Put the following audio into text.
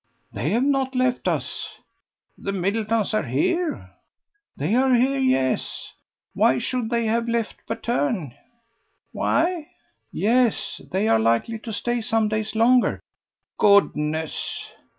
"They have not left us." "The Middletons are here?" "They are here, yes. Why should they have left Patterne?" "Why?" "Yes. They are likely to stay some days longer." "Goodness!"